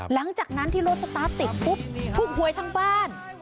หลังจากนั้นที่รถสตาร์ทติดปุ๊บถูกหวยทั้งบ้าน